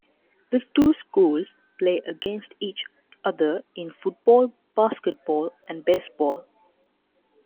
The two schools play against each other in football, basketball, and baseball.